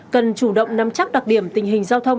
cần chủ động nắm chắc đặc điểm tình hình giao thông